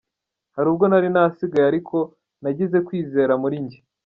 Hari ubwo nari nasigaye ariko nagize kwizera muri jye.